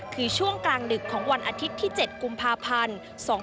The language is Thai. คือช่วงกลางดึกของวันอาทิตย์ที่๗กุมภาพันธ์๒๕๖๒